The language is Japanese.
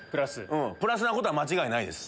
プラスなことは間違いないです。